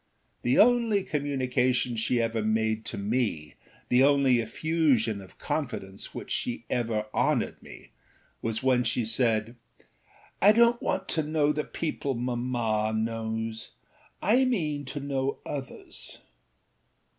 The only communication she ever made to me, the only effusion of confidence with which she ever honoured me, was when she said: âI donât want to know the people mamma knows; I mean to know others.